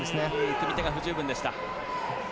組み手が不十分でした。